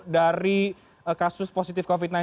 dari kasus positif covid sembilan belas